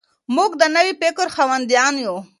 موږ د نوي فکر خاوندان یو.